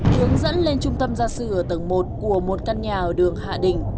hướng dẫn lên trung tâm gia sư ở tầng một của một căn nhà ở đường hạ đình